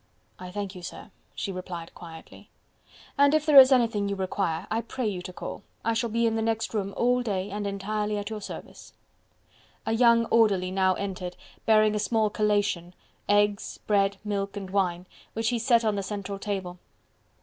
"I thank you, sir," she replied quietly. "And if there is anything you require, I pray you to call. I shall be in the next room all day and entirely at your service." A young orderly now entered bearing a small collation eggs, bread, milk and wine which he set on the central table.